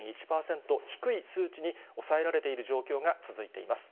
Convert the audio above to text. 低い数値に抑えられている状況が続いています。